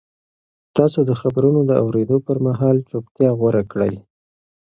تاسو د خبرونو د اورېدو پر مهال چوپتیا غوره کړئ.